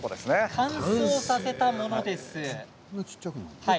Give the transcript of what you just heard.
乾燥させたものです。